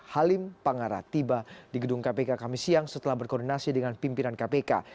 halim pangara tiba di gedung kpk kami siang setelah berkoordinasi dengan pimpinan kpk